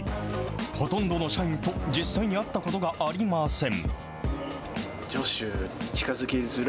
ほとんどの社員と実際に会ったことがありません。